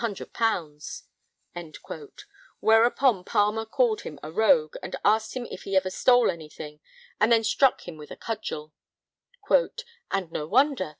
_ whereupon Palmer called him a rogue, and asked him if he never stole anything, and then struck him with a cudgel; and no wonder!